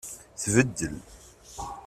Tbeddel.